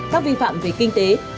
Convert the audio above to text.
các vi phạm về kinh tế